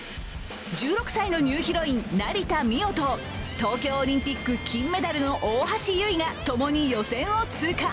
１６歳のニューヒロイン・成田実生と東京オリンピック金メダルの大橋悠依がともに予選を通過。